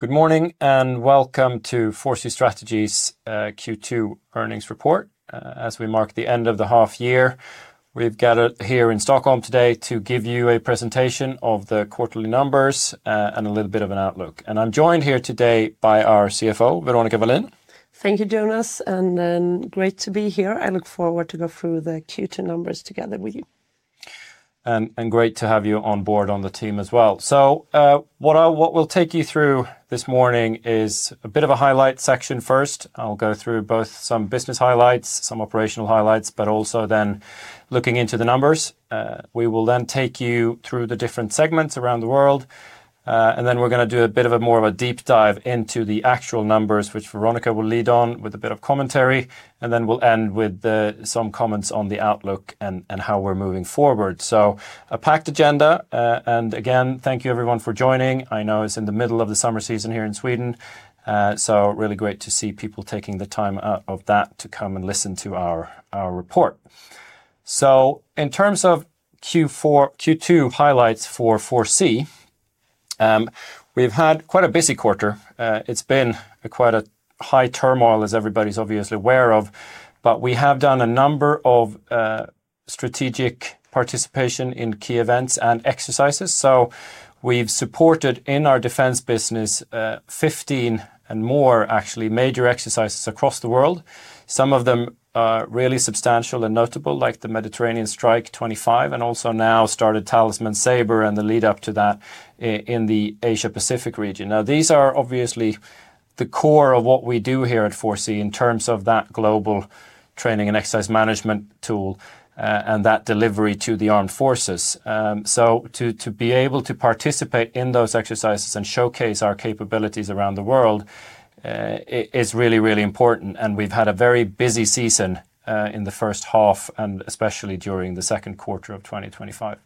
Good morning and welcome to 4C Strategies' Q2 earnings report. As we mark the end of the half year, we've gathered here in Stockholm today to give you a presentation of the quarterly numbers and a little bit of an outlook. I'm joined here today by our CFO, Veronica Wallin. Thank you, Jonas, and great to be here. I look forward to go through the Q2 numbers together with you. Great to have you on board on the team as well. What we'll take you through this morning is a bit of a highlight section first. I'll go through both some business highlights, some operational highlights, but also then looking into the numbers. We will then take you through the different segments around the world, and then we're going to do a bit more of a deep dive into the actual numbers, which Veronica will lead on with a bit of commentary, and then we'll end with some comments on the outlook and how we're moving forward. A packed agenda, and again, thank you everyone for joining. I know it's in the middle of the summer season here in Sweden, so really great to see people taking the time out of that to come and listen to our report. In terms of Q2 highlights for 4C, we've had quite a busy quarter. It's been quite a high turmoil, as everybody's obviously aware of, but we have done a number of strategic participation in key events and exercises. We've supported in our defense business 15 and more major exercises across the world. Some of them are really substantial and notable, like the Mediterranean Strike 25, and also now started Talisman Sabre and the lead-up to that in the Asia-Pacific region. These are obviously the core of what we do here at 4C in terms of that global training and exercise management tool and that delivery to the armed forces. To be able to participate in those exercises and showcase our capabilities around the world is really, really important, and we've had a very busy season in the first half, and especially during the second quarter of 2025.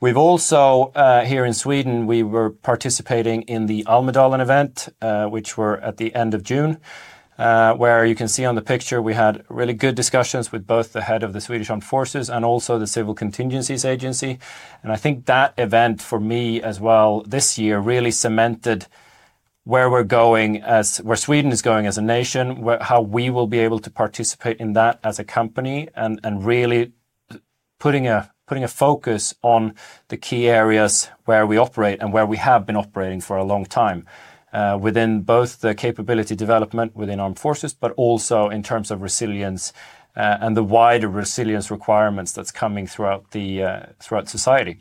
Here in Sweden, we were participating in the Almedalen event, which was at the end of June, where you can see on the picture we had really good discussions with both the head of the Swedish Armed Forces and also the Civil Contingencies Agency. I think that event for me as well this year really cemented where we're going, where Sweden is going as a nation, how we will be able to participate in that as a company, and really putting a focus on the key areas where we operate and where we have been operating for a long time within both the capability development within armed forces, but also in terms of resilience and the wider resilience requirements that are coming throughout society.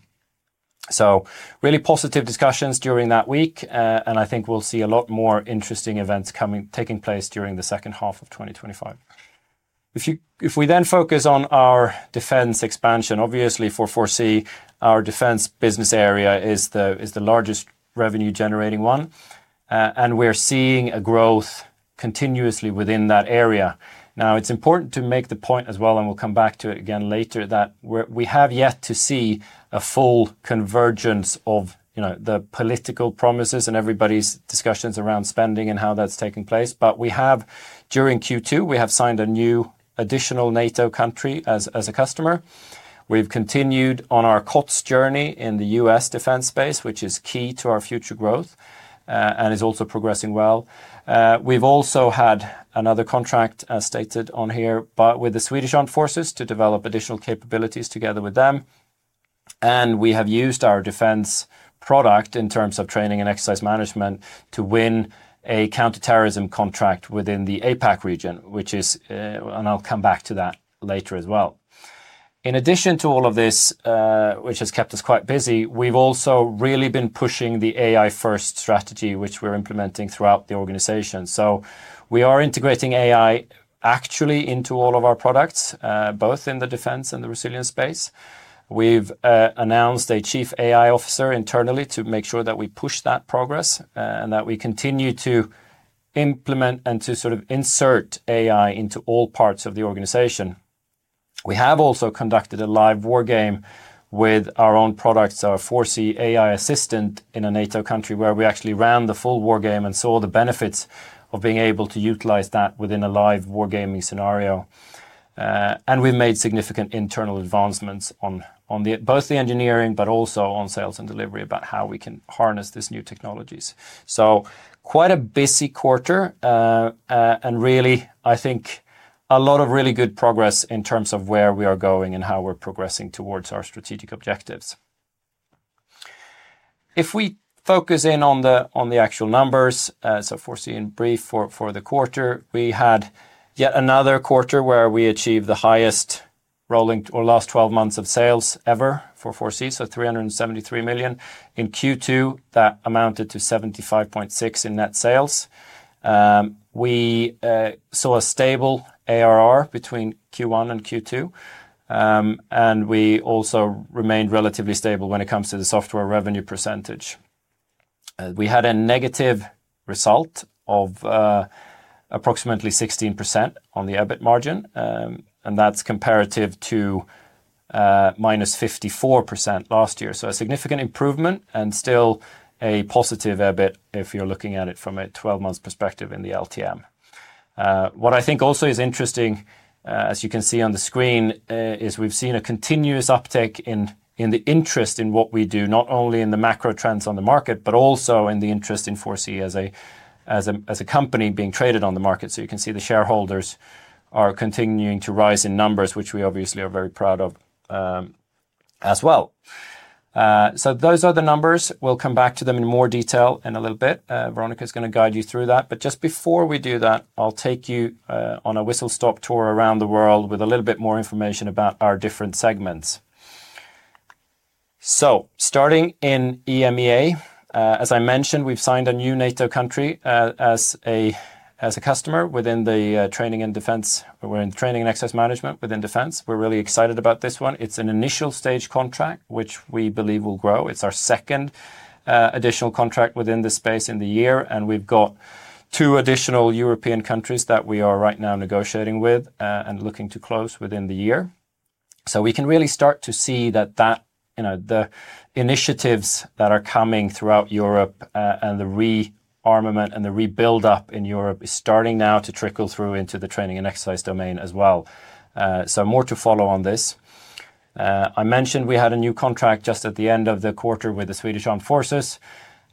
Really positive discussions during that week, and I think we'll see a lot more interesting events taking place during the second half of 2025. If we then focus on our defense expansion, obviously for 4C, our defense business area is the largest revenue-generating one, and we're seeing growth continuously within that area. Now, it's important to make the point as well, and we'll come back to it again later, that we have yet to see a full convergence of the political promises and everybody's discussions around spending and how that's taking place, but we have, during Q2, signed a new additional NATO country as a customer. We've continued on our COTS journey in the U.S. Defense Space, which is key to our future growth and is also progressing well. We've also had another contract, as stated on here, but with the Swedish Armed Forces to develop additional capabilities together with them, and we have used our defense product in terms of training and exercise management to win a counterterrorism contract within the APAC region, which is, and I'll come back to that later as well. In addition to all of this, which has kept us quite busy, we've also really been pushing the AI-first strategy, which we're implementing throughout the organization. We are integrating AI actually into all of our products, both in the defense and the resilience space. We've announced a Chief AI Officer internally to make sure that we push that progress and that we continue to implement and to insert AI into all parts of the organization. We have also conducted a live war game with our own products, our 4C AI Assistant, in a NATO country where we actually ran the full war game and saw the benefits of being able to utilize that within a live war gaming scenario. We've made significant internal advancements on both the engineering, but also on sales and delivery about how we can harness these new technologies. Quite a busy quarter, and really, I think a lot of really good progress in terms of where we are going and how we're progressing towards our strategic objectives. If we focus in on the actual numbers, so 4C in brief for the quarter, we had yet another quarter where we achieved the highest rolling or last 12 months of sales ever for 4C, so 373 million in Q2. That amounted to 75.6 million in net sales. We saw a stable ARR between Q1 and Q2, and we also remained relatively stable when it comes to the software revenue %. We had a negative result of approximately 16% on the EBIT margin, and that's comparative to minus 54% last year, so a significant improvement and still a positive EBIT if you're looking at it from a 12-month perspective in the LTM. What I think also is interesting, as you can see on the screen, is we've seen a continuous uptake in the interest in what we do, not only in the macro trends on the market, but also in the interest in 4C as a company being traded on the market. You can see the shareholders are continuing to rise in numbers, which we obviously are very proud of as well. Those are the numbers. We'll come back to them in more detail in a little bit. Veronica is going to guide you through that, but just before we do that, I'll take you on a whistle-stop tour around the world with a little bit more information about our different segments. Starting in EMEA, as I mentioned, we've signed a new NATO country as a customer within the training and defense, or in training and exercise management within defense. We're really excited about this one. It's an initial stage contract, which we believe will grow. It's our second additional contract within this space in the year, and we've got two additional European countries that we are right now negotiating with and looking to close within the year. We can really start to see that the initiatives that are coming throughout Europe and the rearmament and the rebuild-up in Europe are starting now to trickle through into the training and exercise domain as well. More to follow on this. I mentioned we had a new contract just at the end of the quarter with the Swedish Armed Forces,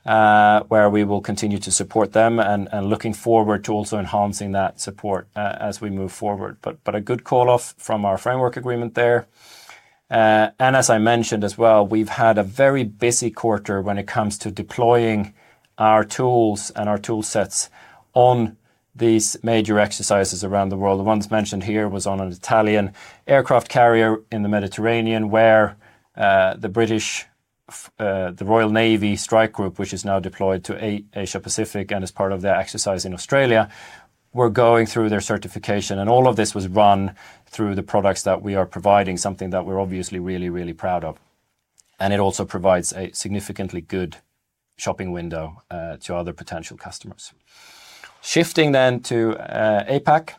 where we will continue to support them and looking forward to also enhancing that support as we move forward, but a good call-off from our framework agreement there. As I mentioned as well, we've had a very busy quarter when it comes to deploying our tools and our toolsets on these major exercises around the world. The ones mentioned here were on an Italian aircraft carrier in the Mediterranean, where the British Royal Navy Strike Group, which is now deployed to Asia-Pacific and is part of their exercise in Australia, were going through their certification, and all of this was run through the products that we are providing, something that we're obviously really, really proud of. It also provides a significantly good shopping window to other potential customers. Shifting then to APAC,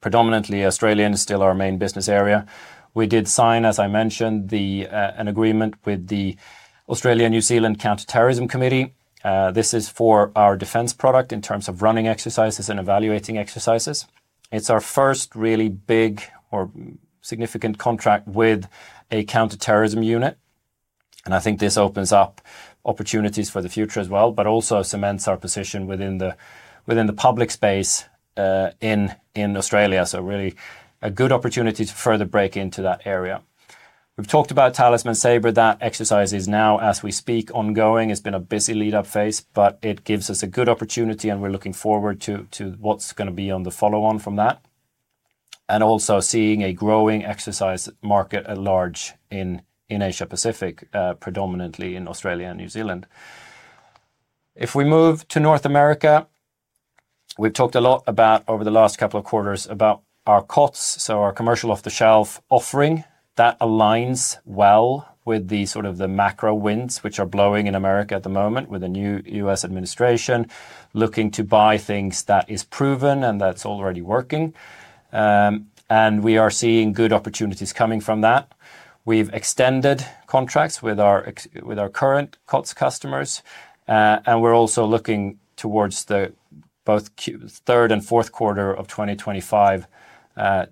predominantly Australia is still our main business area. We did sign, as I mentioned, an agreement with the Australian New Zealand Counter-Terrorism Committee. This is for our defense product in terms of running exercises and evaluating exercises. It's our first really big or significant contract with a counterterrorism unit, and I think this opens up opportunities for the future as well, but also cements our position within the public space in Australia, so really a good opportunity to further break into that area. We've talked about Talisman Sabre. That exercise is now, as we speak, ongoing. It's been a busy lead-up phase, but it gives us a good opportunity, and we're looking forward to what's going to be on the follow-on from that, and also seeing a growing exercise market at large in Asia-Pacific, predominantly in Australia and New Zealand. If we move to North America, we've talked a lot about over the last couple of quarters about our COTS, our commercial off-the-shelf offering that aligns well with the macro winds which are blowing in America at the moment with the new U.S. administration looking to buy things that are proven and that are already working, and we are seeing good opportunities coming from that. We've extended contracts with our current COTS customers, and we're also looking towards both the third and fourth quarter of 2025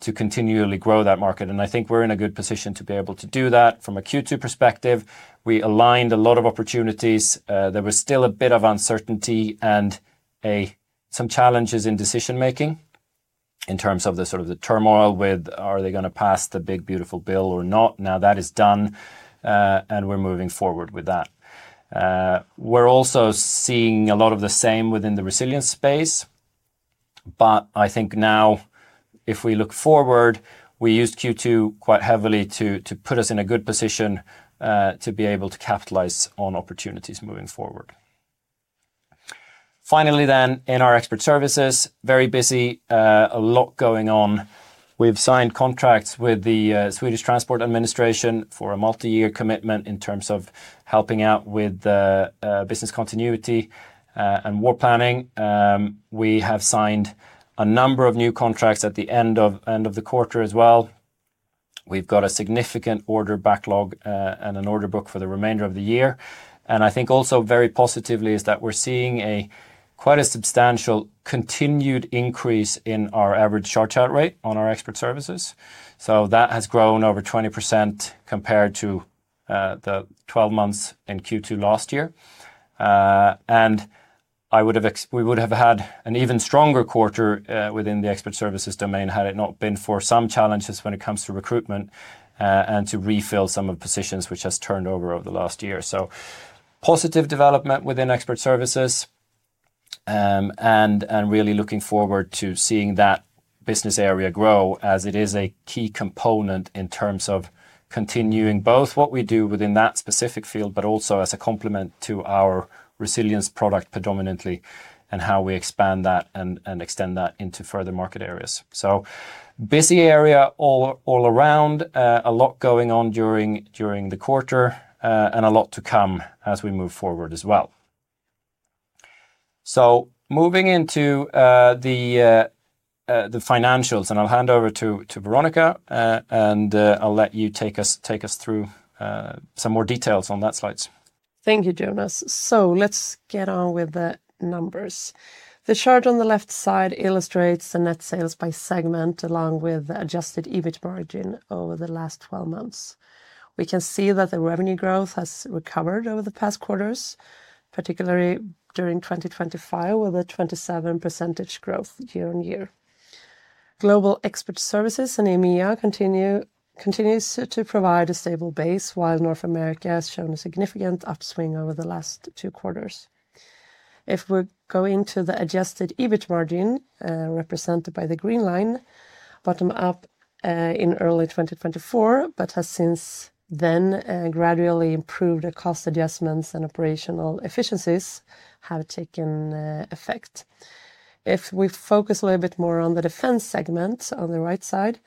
to continually grow that market, and I think we're in a good position to be able to do that from a Q2 perspective. We aligned a lot of opportunities. There was still a bit of uncertainty and some challenges in decision-making in terms of the turmoil with are they going to pass the big, beautiful bill or not. Now that is done, and we're moving forward with that. We're also seeing a lot of the same within the resilience space, but I think now if we look forward, we use Q2 quite heavily to put us in a good position to be able to capitalize on opportunities moving forward. Finally then, in our Expert Services, very busy, a lot going on. We've signed contracts with the Swedish Transport Administration for a multi-year commitment in terms of helping out with business continuity and war planning. We have signed a number of new contracts at the end of the quarter as well. We've got a significant order backlog and an order book for the remainder of the year, and I think also very positively is that we're seeing quite a substantial continued increase in our average charge-out rate on our Expert Services. That has grown over 20% compared to the 12 months in Q2 last year. We would have had an even stronger quarter within the Expert Services domain had it not been for some challenges when it comes to recruitment and to refill some of the positions which have turned over over the last year. Positive development within Expert Services and really looking forward to seeing that business area grow as it is a key component in terms of continuing both what we do within that specific field, but also as a complement to our resilience product predominantly and how we expand that and extend that into further market areas. Busy area all around, a lot going on during the quarter, and a lot to come as we move forward as well. Moving into the financials, I'll hand over to Veronica, and I'll let you take us through some more details on that slide. Thank you, Jonas. Let's get on with the numbers. The chart on the left side illustrates the net sales by segment along with the adjusted EBIT margin over the last 12 months. We can see that the revenue growth has recovered over the past quarters, particularly during 2025 with a 27% growth year-on-year. Global Expert Services in EMEA continues to provide a stable base, while North America has shown a significant upswing over the last two quarters. If we're going to the adjusted EBIT margin represented by the green line, bottomed out in early 2024, but has since then gradually improved as cost adjustments and operational efficiencies have taken effect. If we focus a little bit more on the defense segment on the right side,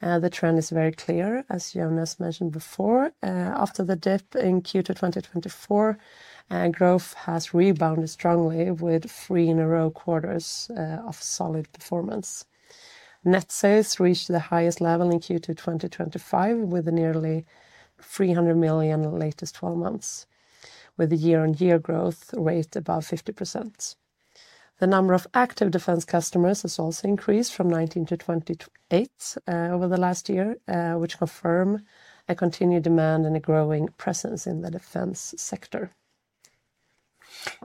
the trend is very clear, as Jonas mentioned before. After the dip in Q2 2024, growth has rebounded strongly with three in a row quarters of solid performance. Net sales reached the highest level in Q2 2025 with nearly 300 million in the latest 12 months, with year-on-year growth rate above 50%. The number of active defense customers has also increased from 19 to 28 over the last year, which confirms a continued demand and a growing presence in the defense sector.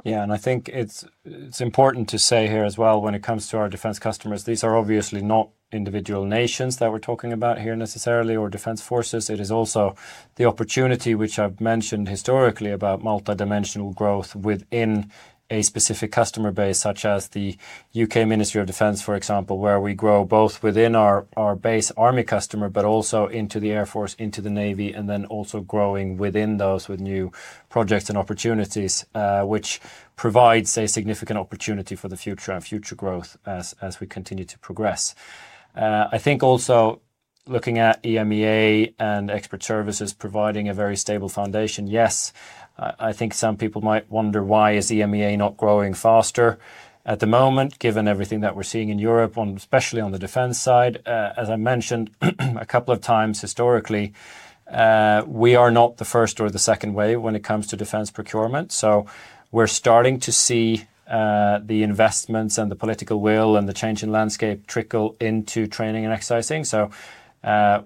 Yeah, and I think it's important to say here as well when it comes to our defense customers, these are obviously not individual nations that we're talking about here necessarily or defense forces. It is also the opportunity which I've mentioned historically about multidimensional growth within a specific customer base, such as the UK Ministry of Defense, for example, where we grow both within our base army customer, but also into the Air Force, into the Navy, and then also growing within those with new projects and opportunities, which provides a significant opportunity for the future and future growth as we continue to progress. I think also looking at EMEA and Expert Services providing a very stable foundation, yes, I think some people might wonder why is EMEA not growing faster at the moment given everything that we're seeing in Europe, especially on the defense side. As I mentioned a couple of times historically, we are not the first or the second wave when it comes to defense procurement. We're starting to see the investments and the political will and the change in landscape trickle into training and exercising.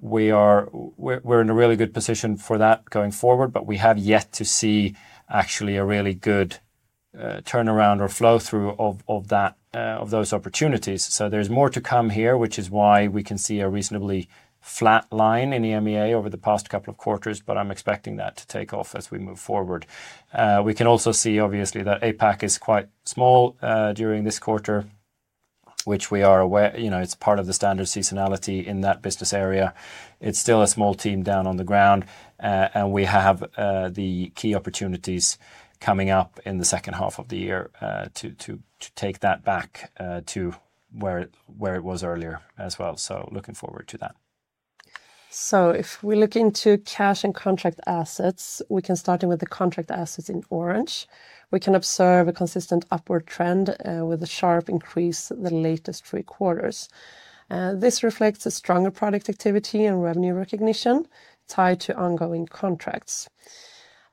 We're in a really good position for that going forward, but we have yet to see actually a really good turnaround or flow-through of those opportunities. There's more to come here, which is why we can see a reasonably flat line in EMEA over the past couple of quarters, but I'm expecting that to take off as we move forward. We can also see obviously that APAC is quite small during this quarter, which we are aware, you know, it's part of the standard seasonality in that business area. It's still a small team down on the ground, and we have the key opportunities coming up in the second half of the year to take that back to where it was earlier as well. Looking forward to that. If we look into cash and contract assets, we can start with the contract assets in orange. We can observe a consistent upward trend with a sharp increase the latest three quarters. This reflects a stronger product activity and revenue recognition tied to ongoing contracts.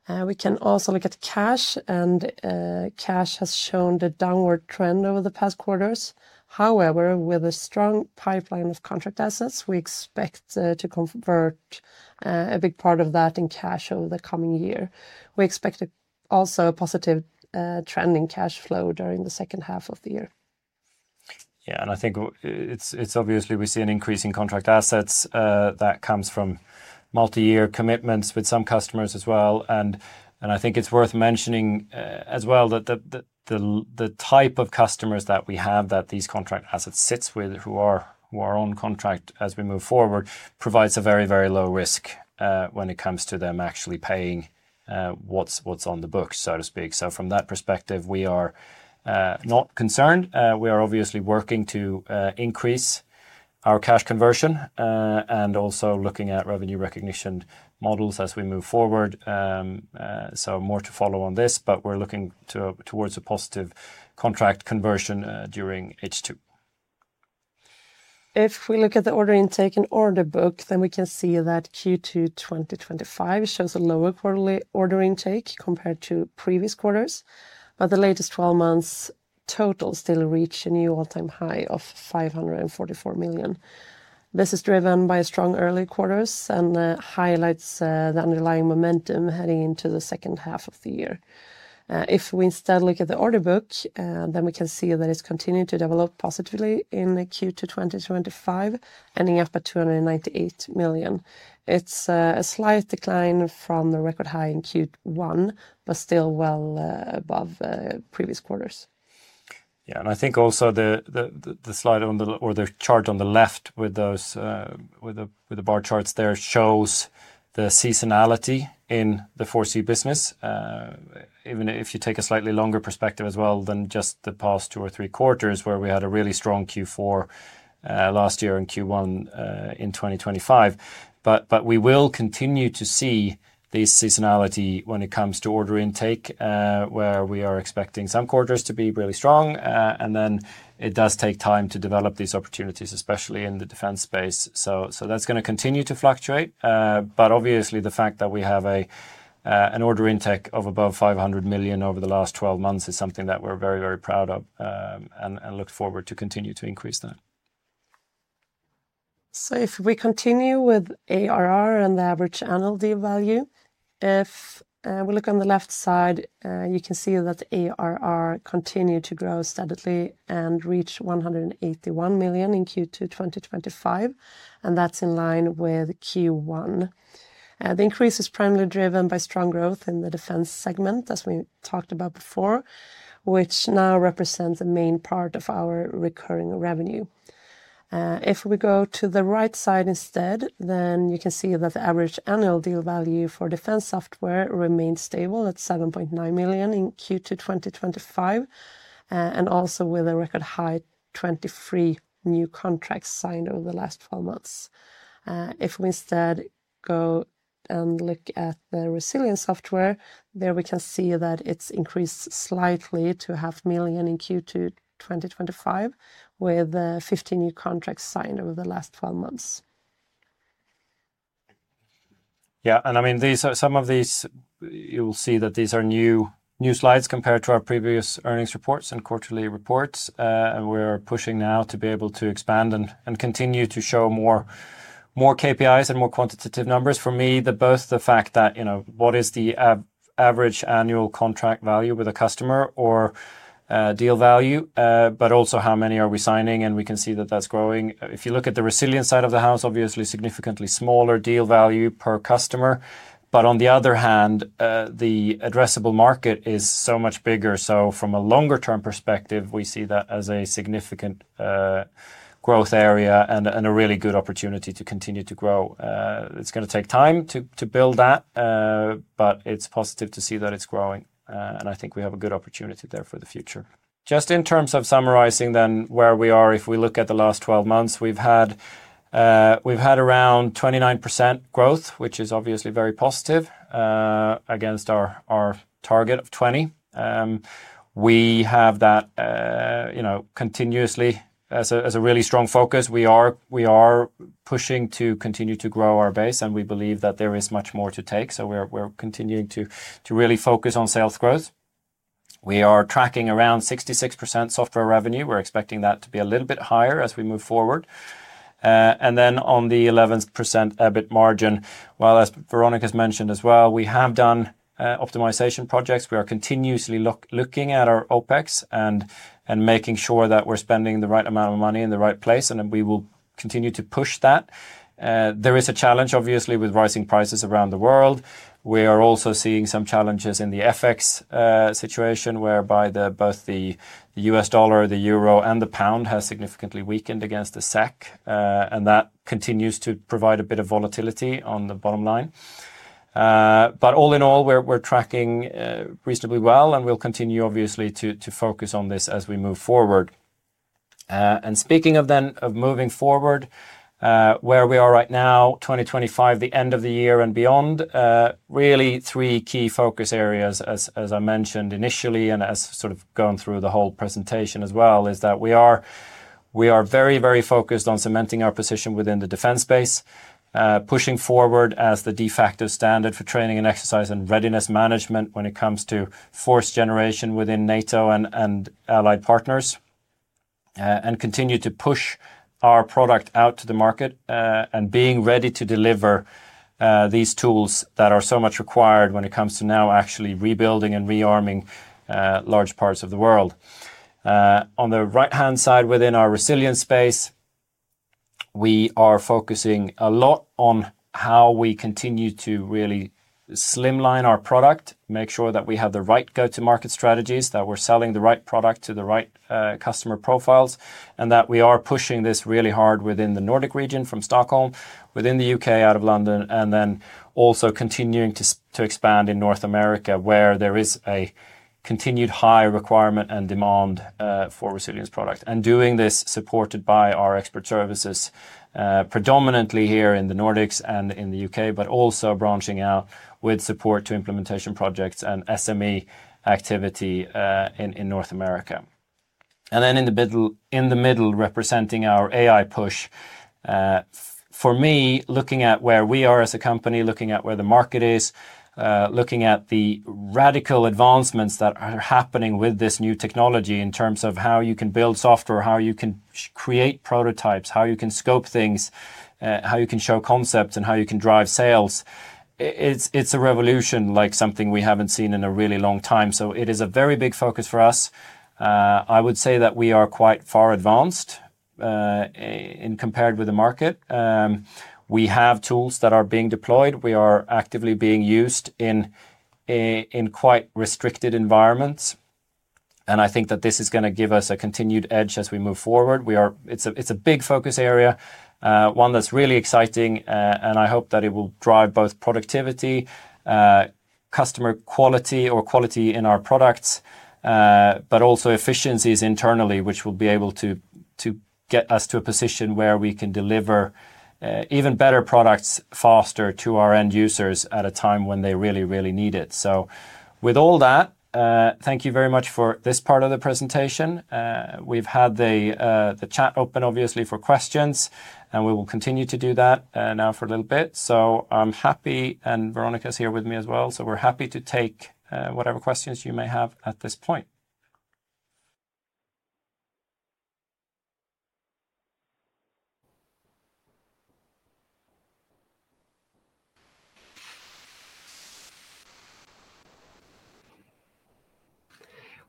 We can also look at cash, and cash has shown the downward trend over the past quarters. However, with a strong pipeline of contract assets, we expect to convert a big part of that in cash over the coming year. We expect also a positive trend in cash flow during the second half of the year. Yeah, I think it's obviously we see an increase in contract assets that comes from multi-year commitments with some customers as well. I think it's worth mentioning as well that the type of customers that we have that these contract assets sit with who are on contract as we move forward provides a very, very low risk when it comes to them actually paying what's on the books, so to speak. From that perspective, we are not concerned. We are obviously working to increase our cash conversion and also looking at revenue recognition models as we move forward. More to follow on this, but we're looking towards a positive contract conversion during H2. If we look at the order intake and order book, then we can see that Q2 2025 shows a lower quarterly order intake compared to previous quarters, but the latest 12 months total still reach a new all-time high of 544 million. This is driven by strong early quarters and highlights the underlying momentum heading into the second half of the year. If we instead look at the order book, then we can see that it's continued to develop positively in Q2 2025, ending up at 298 million. It's a slight decline from a record high in Q1, but still well above previous quarters. Yeah, and I think also the slide or the chart on the left with the bar charts there shows the seasonality in the 4C business, even if you take a slightly longer perspective as well than just the past two or three quarters where we had a really strong Q4 last year and Q1 in 2025. We will continue to see this seasonality when it comes to order intake, where we are expecting some quarters to be really strong, and then it does take time to develop these opportunities, especially in the defense space. That is going to continue to fluctuate, but obviously the fact that we have an order intake of above 500 million over the last 12 months is something that we're very, very proud of and look forward to continue to increase that. If we continue with ARR and the average annual deal value, if we look on the left side, you can see that the ARR continued to grow steadily and reached 181 million in Q2 2025, and that's in line with Q1. The increase is primarily driven by strong growth in the defense segment, as we talked about before, which now represents a main part of our recurring revenue. If we go to the right side instead, you can see that the average annual deal value for defense software remains stable at 7.9 million in Q2 2025, and also with a record high 23 new contracts signed over the last 12 months. If we instead go and look at the resilience software, there we can see that it's increased slightly to 0.5 million in Q2 2025 with 50 new contracts signed over the last 12 months. Yeah, and I mean, some of these, you will see that these are new slides compared to our previous earnings reports and quarterly reports, and we're pushing now to be able to expand and continue to show more KPIs and more quantitative numbers. For me, both the fact that what is the average annual contract value with a customer or deal value, but also how many are we signing, and we can see that that's growing. If you look at the resilience side of the house, obviously significantly smaller deal value per customer, but on the other hand, the addressable market is so much bigger. From a longer-term perspective, we see that as a significant growth area and a really good opportunity to continue to grow. It's going to take time to build that, but it's positive to see that it's growing, and I think we have a good opportunity there for the future. Just in terms of summarizing then where we are, if we look at the last 12 months, we've had around 29% growth, which is obviously very positive against our target of 20%. We have that continuously as a really strong focus. We are pushing to continue to grow our base, and we believe that there is much more to take, so we're continuing to really focus on sales growth. We are tracking around 66% software revenue. We're expecting that to be a little bit higher as we move forward. On the 11% EBIT margin, as Veronica has mentioned as well, we have done optimization projects. We are continuously looking at our OpEx and making sure that we're spending the right amount of money in the right place, and we will continue to push that. There is a challenge obviously with rising prices around the world. We are also seeing some challenges in the FX situation whereby both the U.S. dollar, the euro, and the pound have significantly weakened against the SEK, and that continues to provide a bit of volatility on the bottom line. All in all, we're tracking reasonably well, and we'll continue obviously to focus on this as we move forward. Speaking of then moving forward, where we are right now, 2025, the end of the year and beyond, really three key focus areas, as I mentioned initially and as sort of gone through the whole presentation as well, is that we are very, very focused on cementing our position within the defense space, pushing forward as the de facto standard for training and exercise and readiness management when it comes to force generation within NATO and allied partners, and continue to push our product out to the market and being ready to deliver these tools that are so much required when it comes to now actually rebuilding and rearming large parts of the world. On the right-hand side within our resilience space, we are focusing a lot on how we continue to really slimline our product, make sure that we have the right go-to-market strategies, that we're selling the right product to the right customer profiles, and that we are pushing this really hard within the Nordic region from Stockholm, within the UK out of London, and also continuing to expand in North America where there is a continued high requirement and demand for resilience product. Doing this supported by our Expert Services predominantly here in the Nordics and in the UK, but also branching out with support to implementation projects and SME activity in North America. In the middle, representing our AI push, for me, looking at where we are as a company, looking at where the market is, looking at the radical advancements that are happening with this new technology in terms of how you can build software, how you can create prototypes, how you can scope things, how you can show concepts, and how you can drive sales. It's a revolution like something we haven't seen in a really long time, so it is a very big focus for us. I would say that we are quite far advanced compared with the market. We have tools that are being deployed. We are actively being used in quite restricted environments, and I think that this is going to give us a continued edge as we move forward. It's a big focus area, one that's really exciting, and I hope that it will drive both productivity, customer quality or quality in our products, but also efficiencies internally, which will be able to get us to a position where we can deliver even better products faster to our end users at a time when they really, really need it. With all that, thank you very much for this part of the presentation. We've had the chat open obviously for questions, and we will continue to do that now for a little bit. I'm happy, and Veronica is here with me as well, so we're happy to take whatever questions you may have at this point.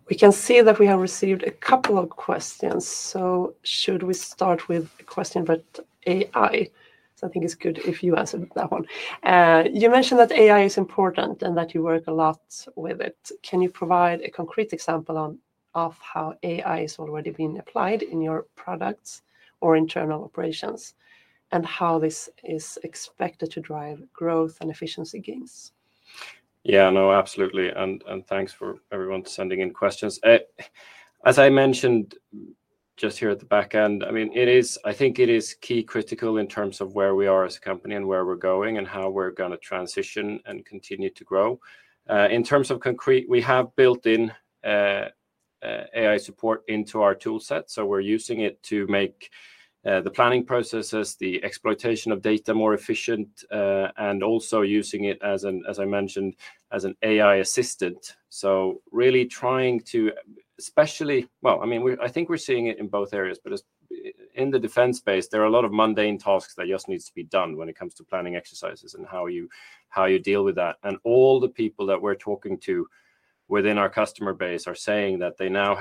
We can see that we have received a couple of questions. Should we start with a question about AI? I think it's good if you answer that one. You mentioned that AI is important and that you work a lot with it. Can you provide a concrete example of how AI is already being applied in your products or internal operations and how this is expected to drive growth and efficiency gains? Yeah, no, absolutely, and thanks for everyone sending in questions. As I mentioned just here at the back end, I think it is key, critical in terms of where we are as a company and where we're going and how we're going to transition and continue to grow. In terms of concrete, we have built-in AI support into our toolset, so we're using it to make the planning processes, the exploitation of data more efficient, and also using it, as I mentioned, as an AI assistant. Really trying to, especially, I think we're seeing it in both areas, but in the defense space, there are a lot of mundane tasks that just need to be done when it comes to planning exercises and how you deal with that. All the people that we're talking to within our customer base are saying that they now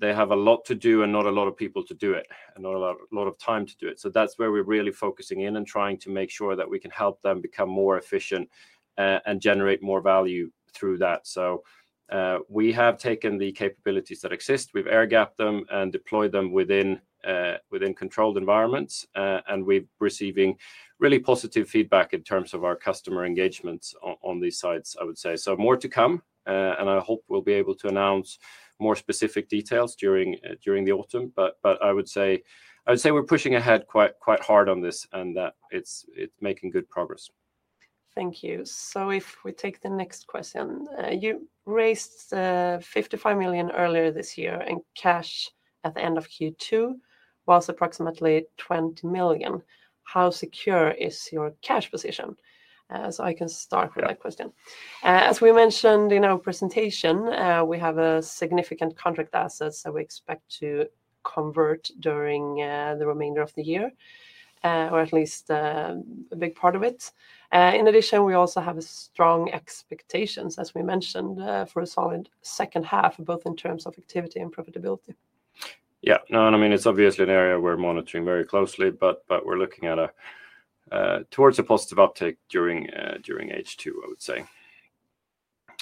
have a lot to do and not a lot of people to do it and not a lot of time to do it. That's where we're really focusing in and trying to make sure that we can help them become more efficient and generate more value through that. We have taken the capabilities that exist, we've air-gapped them and deployed them within controlled environments, and we're receiving really positive feedback in terms of our customer engagements on these sides, I would say. More to come, and I hope we'll be able to announce more specific details during the autumn, but I would say we're pushing ahead quite hard on this and that it's making good progress. Thank you. If we take the next question, you raised 55 million earlier this year in cash. At the end of Q2, it was approximately 20 million. How secure is your cash position? I can start with that question. As we mentioned in our presentation, we have a significant contract asset that we expect to convert during the remainder of the year, or at least a big part of it. In addition, we also have strong expectations, as we mentioned, for a solid second half, both in terms of activity and profitability. Yeah, no, I mean, it's obviously an area we're monitoring very closely, but we're looking towards a positive uptake during H2, I would say.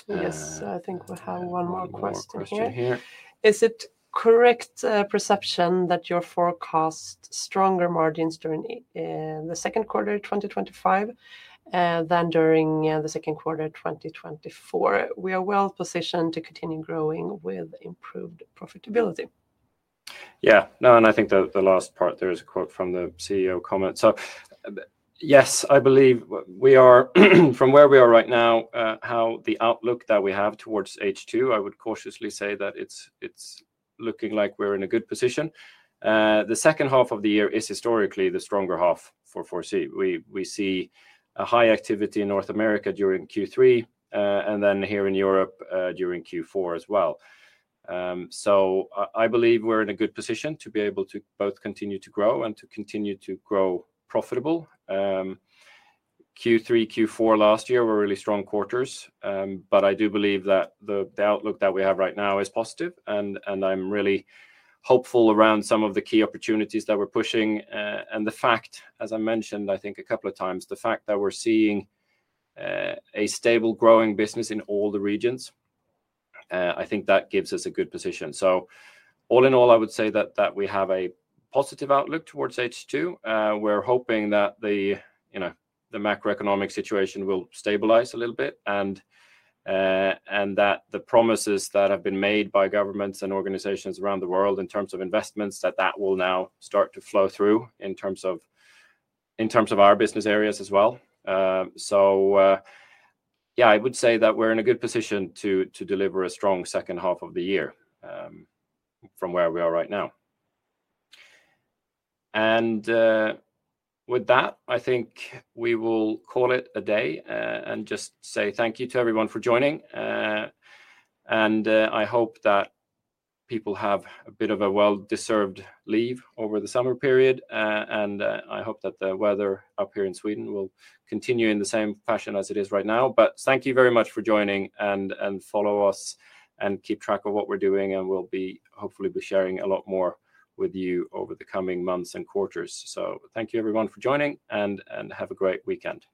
Yes, I think we have one more question here. Is it correct perception that you forecast stronger margins during the second quarter of 2025 than during the second quarter of 2024? We are well positioned to continue growing with improved profitability. Yeah, no, and I think that the last part, there is a quote from the CEO comment. Yes, I believe from where we are right now, how the outlook that we have towards H2, I would cautiously say that it's looking like we're in a good position. The second half of the year is historically the stronger half for 4C. We see a high activity in North America during Q3, and then here in Europe during Q4 as well. I believe we're in a good position to be able to both continue to grow and to continue to grow profitable. Q3, Q4 last year were really strong quarters, but I do believe that the outlook that we have right now is positive, and I'm really hopeful around some of the key opportunities that we're pushing. The fact, as I mentioned, I think a couple of times, the fact that we're seeing a stable growing business in all the regions, I think that gives us a good position. All in all, I would say that we have a positive outlook towards H2. We're hoping that the macroeconomic situation will stabilize a little bit and that the promises that have been made by governments and organizations around the world in terms of investments, that that will now start to flow through in terms of our business areas as well. I would say that we're in a good position to deliver a strong second half of the year from where we are right now. With that, I think we will call it a day and just say thank you to everyone for joining. I hope that people have a bit of a well-deserved leave over the summer period, and I hope that the weather up here in Sweden will continue in the same fashion as it is right now. Thank you very much for joining, and follow us and keep track of what we're doing, and we'll hopefully be sharing a lot more with you over the coming months and quarters. Thank you everyone for joining, and have a great weekend.